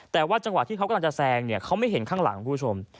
แต่ว่าจังหวะที่เขากำลังจะแซงเนี่ยเขาไม่เห็นข้างหลังคุณผู้ชม